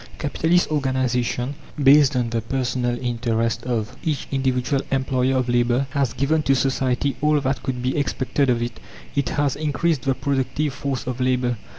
Capitalist organization, based on the personal interest of each individual employer of labour, has given to society all that could be expected of it: it has increased the productive force of Labour.